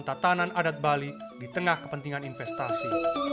tatanan adat bali di tengah kepentingan investasi